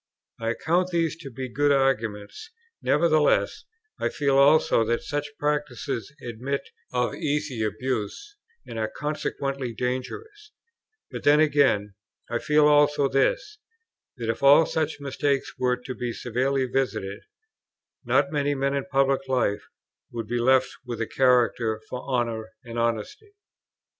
I account these to be good arguments; nevertheless I feel also that such practices admit of easy abuse and are consequently dangerous; but then, again, I feel also this, that if all such mistakes were to be severely visited, not many men in public life would be left with a character for honour and honesty.